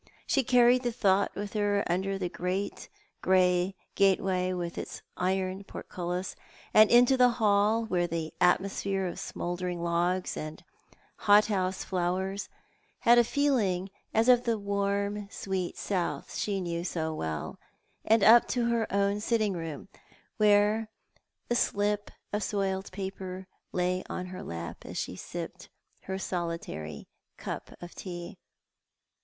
She carried the thought with her under the great grey gateway with its iron portcullis; and into the hall, where the atmosphere of smouldering logs and hothouse flowers had a feeling as of the warm, sweet South she knew 60 well ; and up to her own sitting room, where the slip of soiled paper lay on her lap as she sipped her solitary cup of tea.